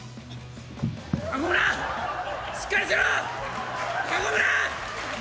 しっかりしろ！